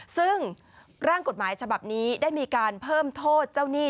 ซึ่งร่างกฎหมายฉบับนี้ได้มีการเพิ่มโทษเจ้าหนี้